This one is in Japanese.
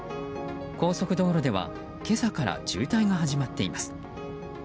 高速道路では今朝から渋滞が始まっています。